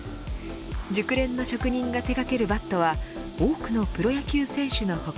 熟練の職人が手掛けるバットは多くのプロ野球選手の他